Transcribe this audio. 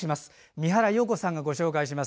三原葉子さんがご紹介します。